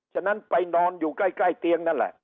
ฉะนั้นไปนอนอยู่ใกล้เตียงนั่นแหละ